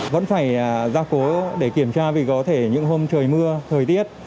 vẫn phải ra cố để kiểm tra vì có thể những hôm trời mưa thời tiết